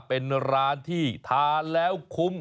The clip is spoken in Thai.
เป็นร้านที่ทานแล้วคุ้ม